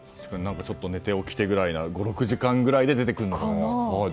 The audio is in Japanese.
ちょっと寝て起きてくらい５６時間くらいで出てくるのかなって。